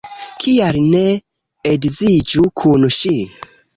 Kial ne edziĝu kun ŝi?